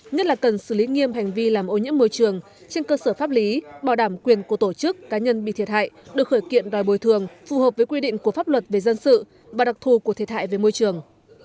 nhất là cần xử lý nghiêm hành vi làm ô nhiễm môi trường trên cơ sở pháp lý bảo đảm quyền của tổ chức cá nhân bị thiệt hại được khởi kiện đòi bồi thường phù hợp với quy định của pháp luật về dân sự và đặc thù của thiệt hại về môi trường